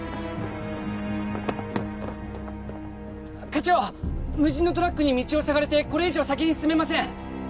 課長無人のトラックに道を塞がれてこれ以上先に進めません！